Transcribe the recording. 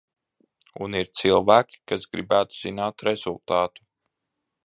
Un ir cilvēki, kas gribētu zināt rezultātu.